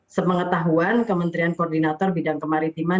sepengetahuan kementerian koordinator bidang kemaritiman